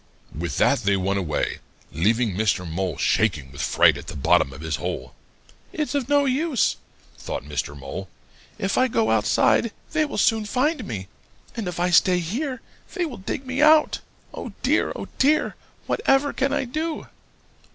"With that they went away, leaving Mr. Mole shaking with fright at the bottom of his hole. 'It's of no use,' thought Mr. Mole. 'If I go outside, they will soon find me, and if I stay here, they will dig me out. Oh, dear, oh, dear! What ever can I do?'